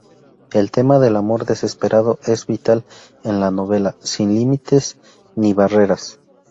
El tema del amor desesperado es vital en la novela, sin límites ni barreras.